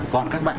còn các bạn